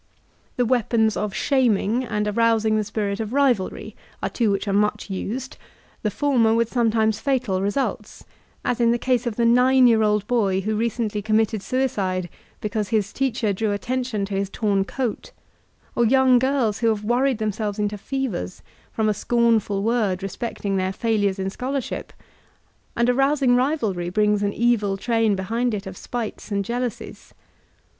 The weapons of shaming and arousing the spirit of rivalry are two which are much used, — the former with sometimes fatal results, as in the case of the nine jrear old boy who recently committed suicide because hb teacher drew attention to his torn coat, or young girls who have worried themselves into fevers from a scornful MoDsiN Educational Refokh 329 word respecting their failures in scholarship, and arousing rivalry brings an evil train behind it of spites and jeal ousies.